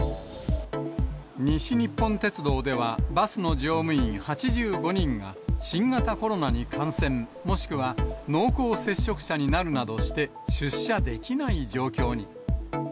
西日本鉄道では、バスの乗務員８５人が、新型コロナに感染、もしくは濃厚接触者になるなどして、出社できない状況に。